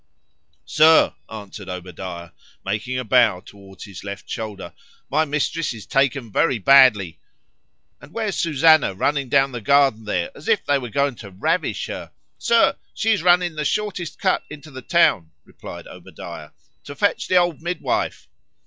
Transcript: Sir, answered Obadiah, making a bow towards his left shoulder,—my Mistress is taken very badly.—And where's Susannah running down the garden there, as if they were going to ravish her?——Sir, she is running the shortest cut into the town, replied Obadiah, to fetch the old midwife.